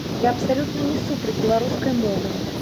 Я абсалютна не супраць беларускай мовы.